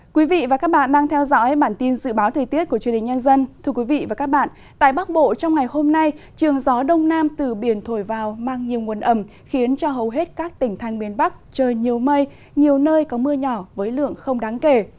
các bạn hãy đăng ký kênh để ủng hộ kênh của chúng mình nhé